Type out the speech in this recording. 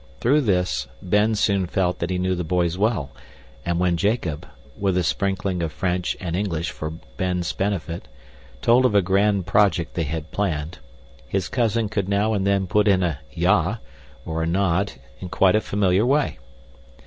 Through this, Ben soon felt that he knew the boys well, and when Jacob (with a sprinkling of French and English for Ben's benefit) told of a grand project they had planned, his cousin could now and then put in a ja, or a nod, in quite a familiar way.